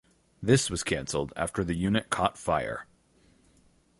This was cancelled after the unit caught fire.